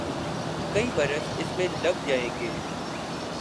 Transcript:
کئی برس اس میں لگ جائیں گے۔